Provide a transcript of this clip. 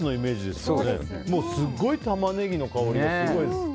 すごいタマネギの香りがする。